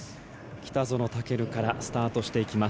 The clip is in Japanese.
北園丈琉からスタートしていきます。